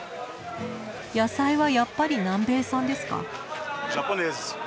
野菜はやっぱり南米産ですか？